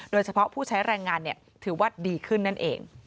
โดยเฉพาะผู้ใช้แรงงานถือว่าดีขึ้นนั่นเอง